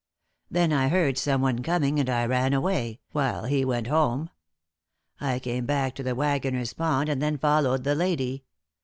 Then I heard someone coming, and I ran away, while he went home. I came back to the Waggoner's Pond and then followed the lady.